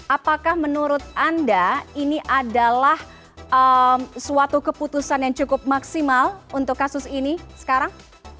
apakah menurut anda ini adalah suatu keputusan yang cukup maksimal untuk kasus ini sekarang